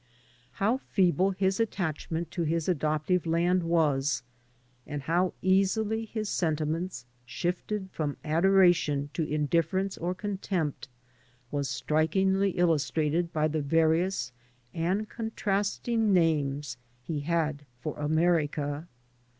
How feeble his attachment to his adoptive land was, and how easily his sentiments shifted from adoration to indifference or contempt, was strikingly illustrated by the various and contrasting names he had for America.